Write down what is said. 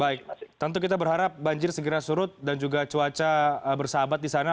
baik tentu kita berharap banjir segera surut dan juga cuaca bersahabat di sana